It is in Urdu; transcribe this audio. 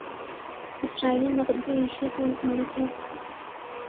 اسرائیل مغربی ایشیا کا ایک ملک ہے